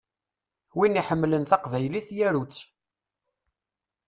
Win iḥemmlen taqbaylit yaru-tt!